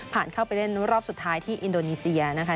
เข้าไปเล่นรอบสุดท้ายที่อินโดนีเซียนะคะ